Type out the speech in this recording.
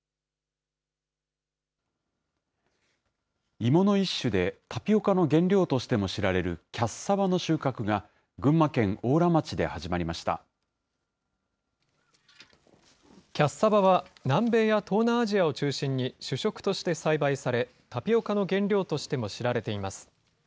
イモの一種で、タピオカの原料としても知られるキャッサバの収穫が、キャッサバは、南米や東南アジアを中心に主食として栽培され、タピオカの原料としても知られています。